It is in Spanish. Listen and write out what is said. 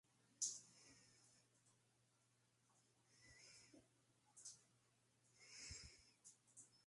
Compite por Pichincha.